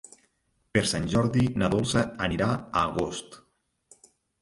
Per Sant Jordi na Dolça anirà a Agost.